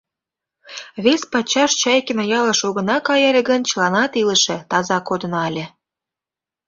Вес пачаш Чайкино ялыш огына кай ыле гын, чыланат илыше, таза кодына ыле.